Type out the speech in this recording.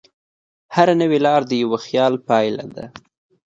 هره نوې لار د یوه خیال پایله ده.